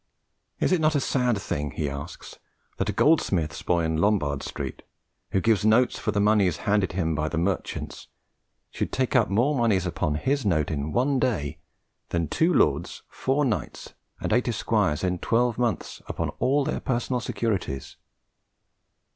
"Is it not a sad thing," he asks, "that a goldsmith's boy in Lombard Street, who gives notes for the monies handed him by the merchants, should take up more monies upon his notes in one day than two lords, four knights, and eight esquires in twelve months upon all their personal securities?